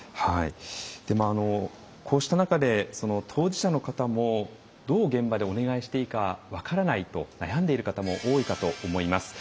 こうした中で当事者の方もどう現場でお願いしていいか分からないと悩んでいる方も多いかと思います。